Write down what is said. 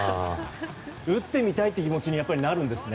打ってみたいという気持ちになるんですね。